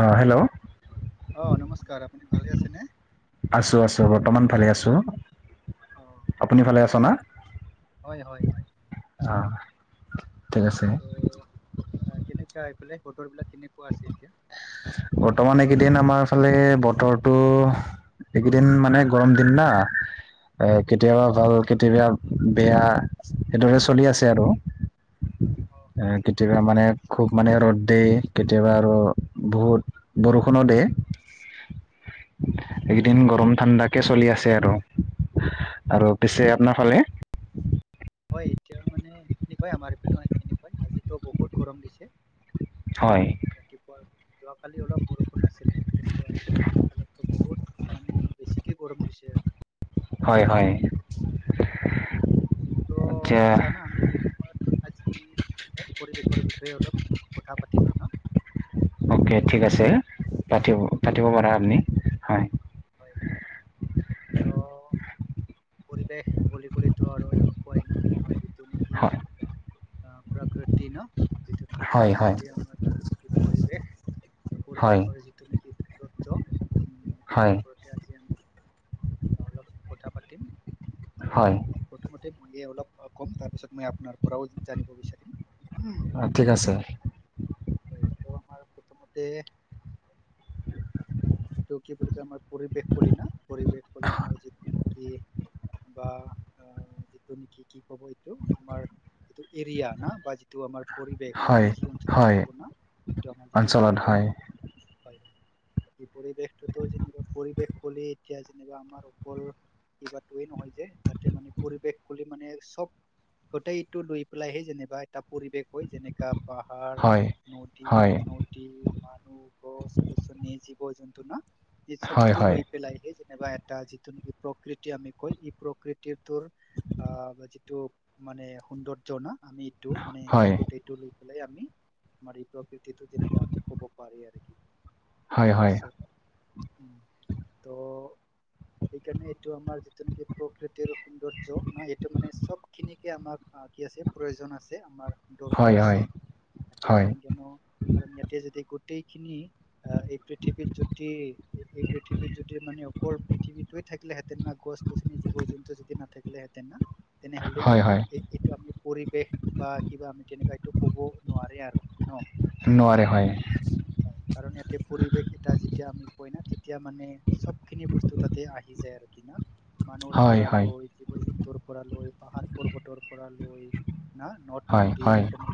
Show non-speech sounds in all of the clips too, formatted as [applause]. অ' hello! অ' নমস্কাৰ! আপুনি ভালে আছেনে? আছো আছো বৰ্তমান ভালে আছো। অ' আচ্ছা হয় হয় হয়, অ ভালে আ ঠিক আছে। অ' কেনেকা এইফালে বতৰবিলাক কেনেকুৱা আছে এতিয়া? বৰ্তমান এইকেইদিন আমাৰ ফালে বতৰটো। এইকেইদিন মানে গৰম দিন না? হয় আ' কেতিয়াবা ভাল, কেতিয়াবা বেয়া, সেইদৰে চলি আছে আৰু। অ এ কেতিয়াবা মানে খুব মানে ৰ'দ দিয়ে। কেতিয়াবা আৰু বহুত বৰষুণো দেয়ে। এইকেইদিন গৰম-ঠাণ্ডাকে চলি আছে আৰু। আৰু পিছে, আপোনাৰ ফালে? হয়, এতিয়া মানে সেনেকুৱাই আমাৰ এইপিনেও সেনেকুৱাই। আজিতো বহুত গৰম দিছে। হয়'! মানে ৰাতিপুৱা যোৱাকালি অলপ বৰষুণ আছিলে। কিন্তু আজি [unintelligible] বহুত মানে বেছিকে গৰম দিছে আ। হয় হয়। ত' আচ্ছা আটচ্ছা না আমি এই সময়ত আজি পৰিৱেশৰ বিষয়ে অলপ কথা পাতিম আৰু ন'? অ'কে ঠিক আছে! পাতিব অ পাতিব পাৰা আপুনি হয়। হয়। ত' পৰিৱেশ বুলি কলেতো আৰু এনেকুৱাই ন' আমাৰ যিটো নেকি হয় অ' প্ৰকৃতি ন'। যিটো নেকি হয় হয় প্ৰাকৃতি আমাৰ যিটো নেকি পৰিৱেশ। হয় পৰিৱেশৰ যি যিটো নেকি সৌন্দৰ্য। উম, হয় ইয়াৰ ওপৰতে আজি আমি অলপ কথা পাতিম। ত' হয় প্ৰথমতে মই অলপ কম, তাৰপিছত মই আপোনাৰ পৰাও জানিব বিচাৰিম। অ' ঠিক আছে। হয়, এইটো আমাৰ প্ৰথমতে এইটো কি বুলি কয় আমাৰ পৰিৱেশ কলি না পৰিৱেশ কলি আমাৰ যিটো কি বা অ' যিটো নেকি কি ক'ব এইটো আমাৰ এইটো এৰিয়া ন বা যিটো আমাৰ পৰিৱেশ বা হয় আমি যি অঞ্চলত হয় থাকো ন' এইটো আমাৰ যিটো অঞ্চলত পৰিৱেশ। হয় হয়, হয় এই পৰিৱেশটোতো যেনিবা পৰিৱেশ ক'লে এতিয়া যেনিবা আমাৰ অকল কিবাটোয়ে নহয় যে, তাতে মানে পৰিৱেশ বুলি মানে চব গোটেই এটো লৈ পেলাইহে যেনিবা এটা পৰিৱেশ হয়, যেনেকা পাহাৰ হয় হয় নদী-নদ মানুহ গছ-গছনী জীৱ-জন্তু ন হয় টো হয় লৈ পেলাইহে যেনিবা এটা যিটো নেকি প্ৰকৃতি আমি কয়, ই প্ৰকৃতিটোৰ আহ, যিটো মানে সৌন্দৰ্য্য না, আমি এইটো মানে হয় গোটেইটো লৈ পেলাই আমি আমাৰ এই প্ৰকৃতিতটো যেনেকুৱা আমি ক'ব পাৰে আৰু কি হয় হয় তাৰপিছত উম, ত সেইকাৰণে এইটো আমাৰ যিটো নেকি প্ৰকৃতিৰ সৌন্দৰ্য ন? এইটো মানে চব খিনিকে আমাক আহ, কি আছে? প্ৰয়োজন আছে আমাৰ। হয় দৰকাৰ আছে, হয় ইয়াতে হয় কাৰণ কিয়নো কাৰণ ইয়াতে যদি গোটেইখিনি আহ, এই পৃথিৱীৰ যদি এই পৃথিৱী পৃথিৱীত যদি মানে অকল পৃথিৱীটোৱে থাকিলে হেঁতেন না গছ-গছনি, জীৱ-জন্তু যদি নাথাকিলে হেঁতেন না তেনেহ'লে হয় এ হয় এইটো এইট এইটো আমি পৰিৱেশ বা কিবা আমি তেনেকুৱা এইটো ক'ব নোৱাৰে আৰু নহ? নোৱাৰে কাৰণ হয় হয় কাৰণ ইয়াতে পৰিৱেশ এটা যেতিয়া আমি কয় না তেত তেতিয়া মানে চব খিনি বস্তু তাতে আহি যায় আৰু কি না, মানুহৰ হয় পৰা হয় লৈ জীৱ-জন্তুৰ পৰা লৈ, পাহাৰ-পৰ্বতৰ পৰা লৈ, না নদ হয় নদী হয় পেনে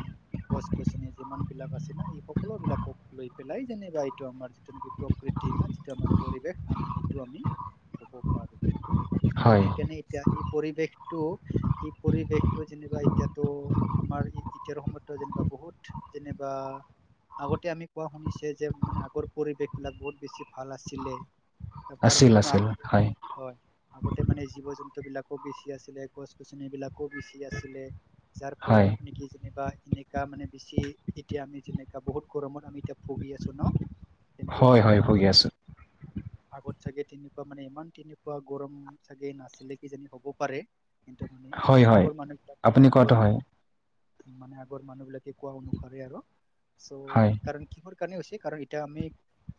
গছ-গছনি যিমান বিলাক আছে না, এই সকলো বিলাকক লৈ পেলাই যেনিবা এইটো আমাৰ যিটো নেকি প্ৰকৃতি না, যিটো আমাৰ পৰিৱেশ আমি সেইটো আমি ক'ব পাৰো। তো হয় সেইকাৰণে, এতিয়া এই পৰিৱেশটো এই পৰিৱেশটো যেনিবা এতিয়াতো, আমাৰ এই তেতিয়াৰ সময়টো যেনিবা বহুত যেনিবা আগতে আমি কোৱা শুনিছে যে, মানে আগৰ পৰিৱেশ বিলাক বহুত বেছি ভাল আছিলে, কাৰণ আছিল কিয়নো আছিল আগতে মানে হয় আগতে মানে জীৱ-জন্তুবিলাকো বেছি আছিলে, গছ-গছনিবলাকো বেছি আছিলে। যাৰ হয় ফলত কি যেনিবা এনেকা মানে, বেছি এতিয়া আমি যেনেকা বহুত গৰমত আমি এতিয়া ভুগি আছো ন? কিন্তু, হয় মানে হয় ভুগি আগত আছোঁ আগত চাগে তেনেকুৱা মানে, ইমান তেনেকুৱা গৰম চাগে নাছিলে কিজানি হ'ব পাৰে। কিন্তু, মানে হয় হয় আগৰ মানুহবিলাক আপুনি কোৱাটো আগৰ হয় মানুহ মানে আগৰ মানুহ বিলাকে কোৱা অনুসাৰে আৰু চ' হয় সেইকাৰণে কিহৰ কাৰণে হৈছে? কাৰণ এতিয়া আমি,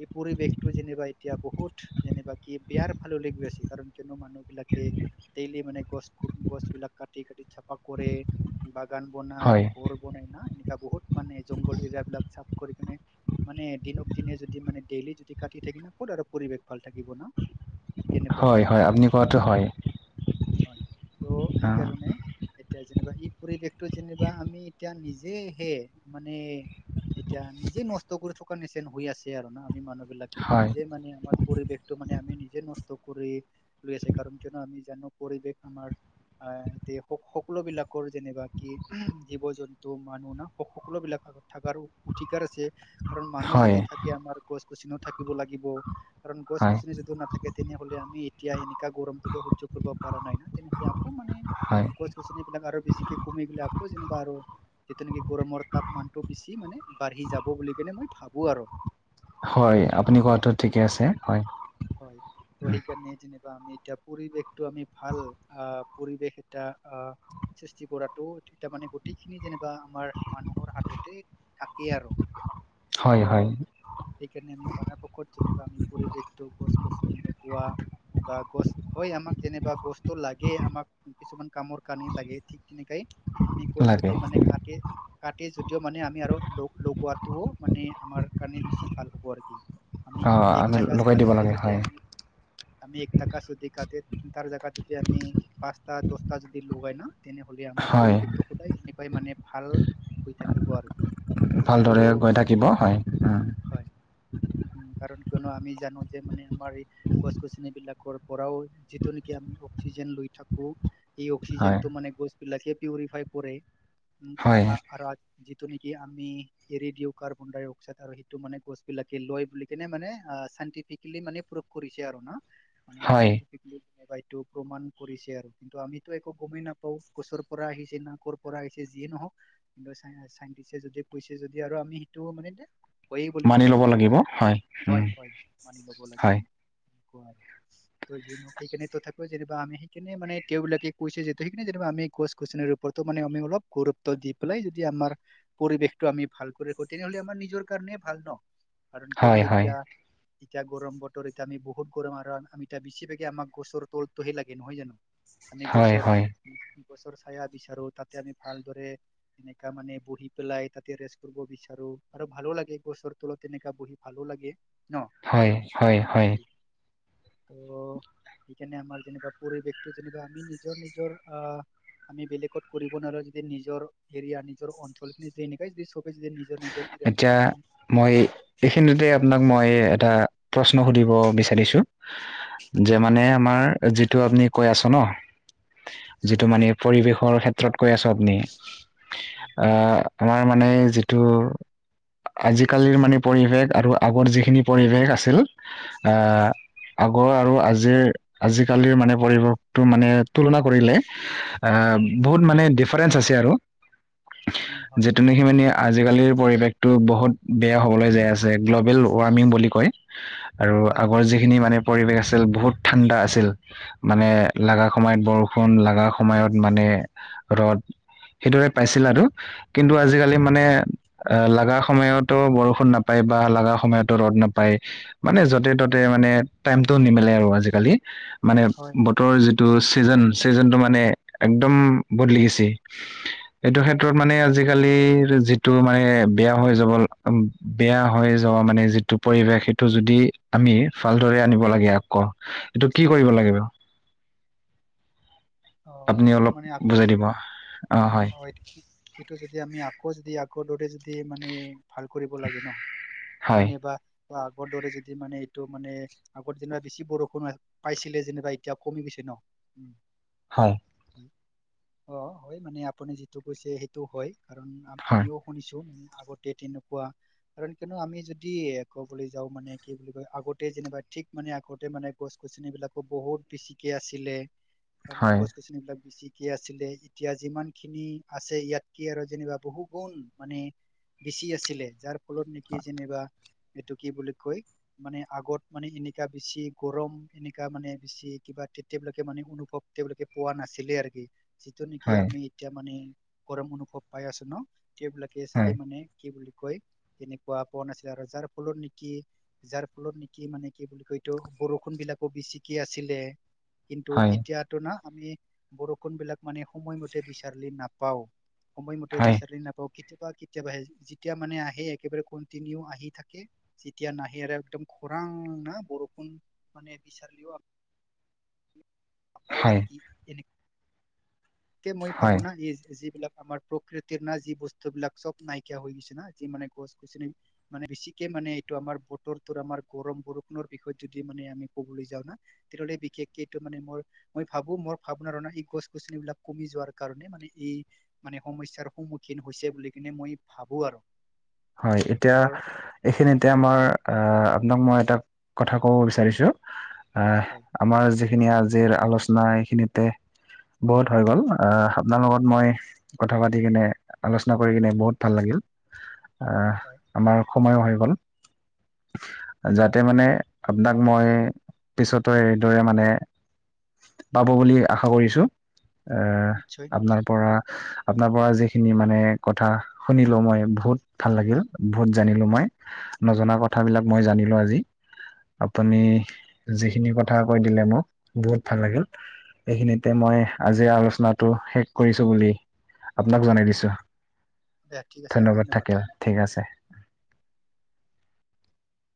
এই পৰিৱেশ টো যেনিবা এতিয়া বহুত যেনিবা, কি বেয়াৰ ফাললৈ গৈ আছে কাৰণ কিয়নো মানুহবিলাকে ডেইলি মানে, গছ- গ -গছ বিলাক কাটি, কাটি চাফা কৰে। বাগান বনাই, হয় ঘৰ বনাই না, এনেকা বহুত মানে জংঘগল এৰিয়াবিলাক চাফ কৰি কেনে, মানে দিনক দিনে যদি মানে ডেইলি যদি কাটি থাকিলে ক'ত আৰু পৰিৱেশ ভাল থাকিব ন? হয়, হয়, আপুনি কোৱাটো হয়। হয় ত অ, সেইকাৰণে এতিয়া যেনিবা, ই পৰিৱেশটো যেনিবা আমি এতিয়া নিজেই সে, মানে এতিয়া, নিজে নষ্ট কৰি থকা নিচিন হৈ আছে আৰু না আমি মানুহ বিলাক হয় নিজে মানে, আমাৰ পৰিৱেশটো মানে আমি, নিজে নষ্ট কৰি লৈ আছে, কাৰণ জনে আমি জানো পৰিৱেশ আমাৰ আই, তি সক সকলো বিলাকৰ যেনেবা কি, জীৱ-জন্তু মানুহ ন সক সকলো বিলাকক থাকাৰো অধিকাৰ আছে, কাৰণ মানুহ হয় যদি থাকে, আমাৰ গছ-গছনিও থাকিব লাগিব। কাৰণ হয় গছ-গছনি যদিও নাথাকে, তেনেহ'লে আমি এতিয়া, এনেকা গৰমটোকে সহ্য কৰিব পাৰা নাই না। তেনেহ'লে আকৌ মানে, হয় গছ-গছনি বিলাক আৰু বেছিকে কমি গ'লে, আকৌ যেনিবা আৰু যিটো নিকি গৰমৰ তাপমানটো, বেছি মানে বাঢ়ি যাব বুলি কেনে মই ভাবোঁ আৰু ত' হয় আপুনি কোৱাটো ঠিকে আছে, হয়। হয় তো উম, সেইকাৰণে, যেনিবা আমি এতিয়া পৰিৱেশটো আমি ভাল আ পৰিৱেশ এটা আ সৃষ্টি কৰাটো তাৰমানে গোটেইখিনি যেনিবা আমাৰ মানুহৰ হাততে থাকেই আৰ হয় ত' হয় সেইকাৰণে আমি পৰাপক্ষত যেনিবা আমি পৰিৱেশ টো গছ গছনি লগোৱা বা গছ হয় আমাক যেনিবা গছটো লাগে আমাক কিছুমান কামৰ কানে লাগে কি তেনেকাই আমি গছ লাগে যদি মানে কাতে কাটে যদিও মানে আমি আৰু ল লগোৱাটোও মানে আমাৰ কাৰণে বেছি ভাল হ'ব আৰ কি আমি অঁ আমি একটা গাছ লগাই দিব কাটিলে লাগে হয় [unintelligible] আমি একটা গাছ যদি কাটে তাৰ জাগাত যদি আমি পাঁচটা দছটা যদি লগাই ন তেনেহলে আমাৰ হয় পৰিৱেশটো সদায় এনেকুৱাই মানে ভাল হৈ থাকিব আৰু কি কিন্তু ভালদৰে হৈ থাকিব হয় উ হয় উম কাৰণ কিয়নো আমি জানো যে মানে আমাৰ এই গছ গছনি বিলাকৰ পৰাও যিটো নিকি আমি অক্সিজেন লৈ থাক কো এই অক্সিজেন হয় টো মানে গছ বিলাক পিঅৰিফাই কৰে আ হয় আ আ আৰ আজ যিটো নিকি আমি এৰি দিও কাৰ্বন ডাই অক্সাইড আৰু সেইটো মানে গছবিলাকে লৈ বুলি কেনে মানে আ চাইণ্টিফিক বুলি মানে প্ৰভ কৰিছে আৰু ন মানে হয় চাইণ্টিফিক বু হয়টো প্ৰমাণ কৰিছে আৰু কিন্তু আমিতো একো গমেই নাপাও গছৰ পৰা আহিছে না' কৰ কৰ পৰা আহিছে যিয়ে নহওক কিন্তু চাই চাইটিষ্টে যদি কৈছে যদি আৰু আমি সেইটোঅ মানে হয়েই বুলি ভা মানি ল'ব ভাবি লাগিব লৈছোঁ হয় উম, হয় মানি লব লাগিব হয় এনেকুৱা ত যিয়ে নহক সেইকাণে তথা ত যেনেবা আমি সেইকেনে মানে তেওলোকে কৈছে যেতে সেইকেনে যে আমি গছ গছনিৰ ওপৰতো মানে আমি অলপ গুৰুত্ ত দি পেলাই যদি আমাৰ পৰিৱেশটো আমি ভাল কৰি ৰাখো তেনেহ'লে আমাৰ নিজৰ কাৰণে ভাল ন কাৰণ হয় কিয়নো হয় এতিয়া এতিয়া গৰম বতৰ এতিয়া আমি বহুত গৰম আৰু আমি এতিয়া বেছভাগে আমাক গছৰ তলটোহে লাগে নহয় জানো আমি হয় গছৰ হয় গছৰ চায়া বিচাৰো তাতে আমি ভালদৰে তেনেকা মানে বহি পেলাই তাতে ৰেষ্ট কৰিব বিচাৰো আৰু ভালো লাগে গছৰ তলত তেনেকা বহি ভালো লাগে ন হয় হয় তেনেকুৱা হয় আৰু কি ত সেই কাৰণে আমাৰ যেনিবা পৰিৱেশটো যেনিবা আমি নিজৰ নিজৰ আ আমি বেলেগত কৰিব নোৱাৰো যদি নিজৰ এৰিয়া নিজৰ অঞ্চলখিনি যেনেকৈ যে চবেই নিজৰ নিজৰ এৰিয়া এতিয়া মই এইখিনিতে আপোনাক মই এটা প্ৰশ্ন সুধিব বিচাৰিছো- যে আচ্ছা মানে আমাৰ যিটো আপুনি কৈ আছে ন' যিটো মানে পৰিৱেশৰ ক্ষেত্ৰত কৈ আছে আপনি আ্ মই মানে যি তো, আজিকালিৰ মানে পৰিৱেশ আৰু আগৰ যিখিনি পৰিৱেশ আছিল আহ্ হয় আগৰ আৰু আজিৰ আজিকালিৰ মানে পৰিৱেশটো মানে তুলনা কৰিলে, আহ্ বহুত মানে ডিফাৰেঞ্চ আছে আৰু। উম হয় যে তুমি [unintelligible] আজিকালিৰ পৰিৱেশটো বহুত বেয়া হ'বলৈ যাই আছে, গ্ল'বেল ৱাৰ্মিং বুলি কয়। আৰু হয় আগৰ হয় যিখিনি মানে পৰিৱেশ আছিল বহুত ঠাণ্ডা আছিল। মানে লাগা সময়ত বৰষুণ লাগা সময়ত মানে ৰ'দ সেইটোহেত পাইছিল আৰু, কিন্তু আজি-কালি মা হয় মানে অ লাগা সময়তো বৰষুণ নাপায় বা লগা সময়তো ৰ'দ নাপায় মানে য'তে ত'তে মানে টাইমটো নিমিলে আৰু আজিকালি, মানে হয় ব তৰ যিটো ছিজন, চিজনটো মানে একদম বদলি গিছি। এইটো ক্ষেত্ৰত মানে আজিকালিৰ যিটো মানে বেয়া হৈ যাব বেয়া হৈ যোৱা মানে যিটো পৰিৱেশ সেইটো যদি আমি ভালদৰে আনিব লাগে আকৌ, এইটো কি কৰিব লাগিব? অ্ঁ আপুনি এইটো অলপ মানে বুজাই আকৌ- দিব অ হয় [unintelligible] এইটো যদি আমি আকৌ যদি আগৰ দৰে যদি মানে ভাল কৰিব লাগে ন, হয় মানে বা আগৰ দৰে যদি মানে এইটো মানে আগৰ দিনা বেছি বৰষুণ হয় পাইছিলে যেনিবা এতিয়া কমি গৈছে ন'। হয়। অঁ হয় মানে আপুনি যিটো কৈছে সেইটো হয়। কাৰণ হয় আমিও শুনিছো, আগতে তেনেকুৱা কাৰণ কিয়নো আমি যদি ক'বলৈ যাওঁ মানে কি বুলি কয় আগতে যেনিবা ঠিক মানে আগতে মানে গছ-গছনিবিলাকো বহুত বেছিকে আছিলে, কাৰণ হয় গছ-গছনি বিলাক ছিকে আছিলে এতিয়া যিমান খিনি আছে ইয়াত কি আৰু যেনিবা বহু গুণ মানে বেচি আছিলে যাৰ ফলত নেকি যেনিবা এইটো কি বুলি কয় মানে আগত মানে এনেকা বেছি গৰম এনেকা মানে বেছি কিবা তেওঁলোকে মানে অনুভৱ তেওঁলোকে পোৱা নাছিলে আৰু কি, যেতিয়া নেকি হয় আমি এতিয়া মানে গৰম অনুভৱ পাই আছো ন তেওলাকে হয় চাগে মানে কি বুলি কয়- তেনেকুৱা পোৱা নাছিলে আৰু যাৰ ফলত নেকি যাৰ ফলত নেকি মানে কি বুলি কয় এটো- বৰষুণ বিলাকো বেচিকে আছিলে। কিন্তু হয় এতিয়াতো না আমি বৰষুণ বিলাক মানে সময়মতে বিচাৰিলে নাপাওঁ। সময়মতে হয় বিচাৰি নাপাওঁ কেতিয়াবা কেতিয়াবা আহে যেতিয়া মানে আহে একেবাৰে কন্টিনিউ আহি থাকে। যেতিয়া নাহে আৰু একদম খৰাং না বৰষুণ মানে বিচাৰলেও আৰু [unintelligible] হয় কি এনে কে মই ভাবো হয় না এই যিবিলাক আমাৰ প্ৰকৃতিৰ না যি বস্তুবিলাক চব নাইকিয়া হৈ গৈছে না' যি মানে গছ-গছনি মানে বেছিকে মানে এইটো আমাৰ বতৰটোৰ আমাৰ গৰম বৰষুণৰ বিষয়ত যদি মানে আমি ক'বলৈ যাওঁ না তেতিয়াহ'লে বিশেষকে এইটো মানে মোৰ, ম ভাবো মই ভাবনাৰনা এই গছ-গছনিবলাক কমি যোৱাৰ কাৰণে মানে এই মানে সমস্যাৰ সন্মুখীন হৈছে বুলি কিনে মই ভাবো আৰু। হয়, এতিয়া মোৰ এইখিনিতে আমাৰ আহ আপোনাক মই এটা কথা ক'ব বিচাৰিছোঁ হয় আহ আমাৰ যিখিনি আজিৰ আলোচনা এইখিনিতে বহুত হৈ গ'ল, আহ আপোনাৰ লগত মই কথা পাতি কিনে আলোচনা কৰি কিনে বহুত ভাল লাগিল। আহ হয় আমাৰ সময়ো হৈ গ'ল, হয় যাতে মানে আপোনাক মই পিছতো এইদৰে মানে পাব বুলি আশা কৰিছো, এহ নিশ্চয় আপোনাৰ নিশ্চয় পৰা আপোনাৰ পৰা যিখিনি মানে কথা শুনিলো মই বহুত ভাল লাগিল বহুত জানিলো মই নজনা কথাবিলাক মই জানিলো আজি। আপুনি হয় যিখিনি কথা কৈ দিলে মোক, বহুত ভাল লাগিল। এইখিনিতে মই আজিৰ আলোচনাটো শেষ কৰিছো বুলি আপোনাক জনাই দিছো। দিয়া ঠিক আছে ধন্যবাদ। ঠিক আছে।